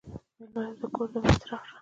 مېلمه ته د کور د امید څراغ شه.